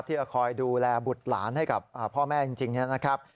จะคอยดูแลบุตรหลานให้กับพ่อแม่จริงนะครับ